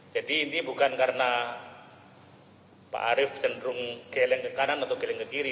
jadi ini bukan karena pak arief cenderung geleng ke kanan atau geleng ke kiri